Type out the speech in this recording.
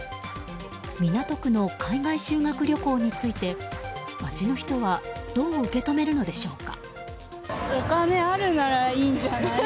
港区の海外修学旅行について街の人はどう受け止めるのでしょうか。